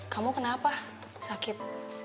kamu kenapa sakit